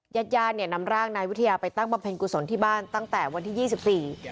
ยัดยานเนี่ยนำร่างนายวิทยาไปตั้งบำเพ็ญกุศลที่บ้านตั้งแต่วันที่๒๔